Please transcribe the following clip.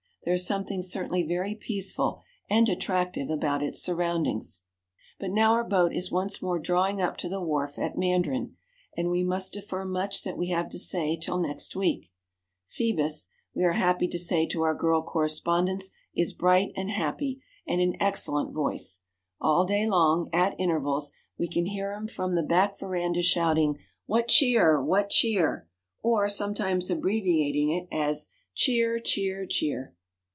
There is something certainly very peaceful and attractive about its surroundings. But now our boat is once more drawing up to the wharf at Mandarin; and we must defer much that we have to say till next week. Phoebus, we are happy to say to our girl correspondents, is bright and happy, and in excellent voice. All day long, at intervals, we can hear him from the back veranda, shouting, "What cheer! what cheer!" or sometimes abbreviating it as "Cheer, cheer, cheer!"